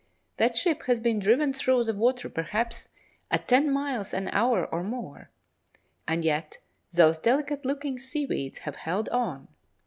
That ship has been driven through the water perhaps at ten miles an hour or more, and yet those delicate looking seaweeds have held on!